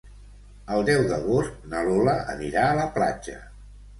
El deu d'agost na Lola anirà a la platja.